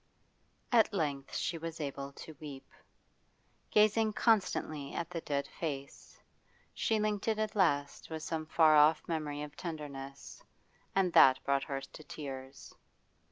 At length she was able to weep. Gazing constantly at the dead face, she linked it at last with some far off memory of tenderness, and that brought her tears.